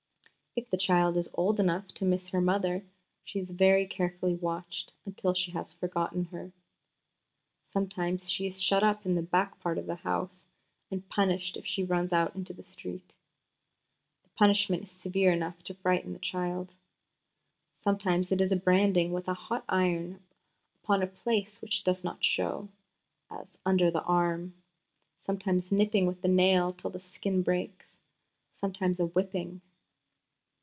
If the child is old enough to miss her mother, she is very carefully watched until she has forgotten her. Sometimes she is shut up in the back part of the house, and punished if she runs out into the street. The punishment is severe enough to frighten the child. Sometimes it is branding with a hot iron upon a place which does not show, as under the arm; sometimes nipping with the nail till the skin breaks; sometimes a whipping.